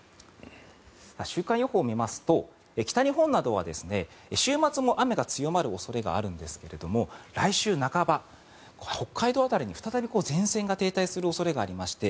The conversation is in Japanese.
週間予報を見ますと北日本などは週末も雨が強まる恐れがあるんですが来週半ば、北海道辺りに再び前線が停滞する恐れがありまして